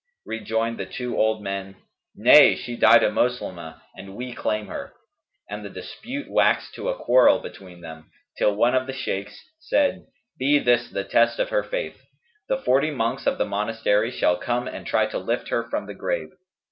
Rejoined the two old men, 'Nay, she died a Moslemah and we claim her.' And the dispute waxed to a quarrel between them, till one of the Shaykhs said, 'Be this the test of her faith: the forty monks of the monastery shall come and try to lift her from the grave.